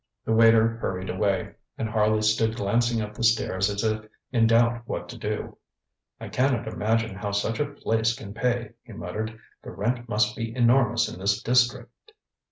ŌĆØ The waiter hurried away, and Harley stood glancing up the stairs as if in doubt what to do. ŌĆ£I cannot imagine how such a place can pay, ŌĆØ he muttered. ŌĆ£The rent must be enormous in this district.